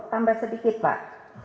tambah sedikit pak